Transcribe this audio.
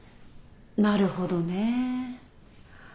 なるほどねぇ。